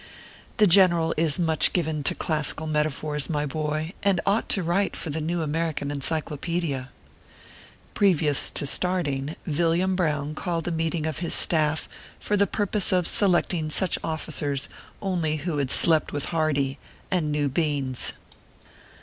The General is much given to classical metaphors, my boy, and ought to write for the new American Encyclopedia. Previous to starting, Villiain Brown called a meet ing of his staff, for the purpose of selecting such officers only who had slept with Harclee, and knew beans.